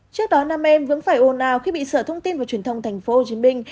trước đó nam em vững phải ôn ào khi bị sợ thông tin và truyền thông thành phố hồ chí minh